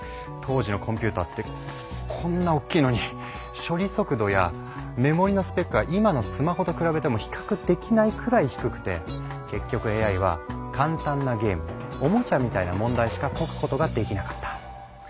当時のコンピューターってこんなおっきいのに処理速度やメモリのスペックは今のスマホと比べても比較できないくらい低くて結局ＡＩは簡単なゲームおもちゃみたいな問題しか解くことができなかった。